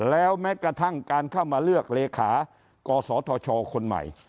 แล้วแม้กระทั่งการเข้ามาเลือกเลขากศธชคนใหม่